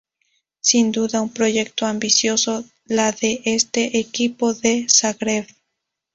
Sin duda, un proyecto ambicioso la de este equipo de Zagreb.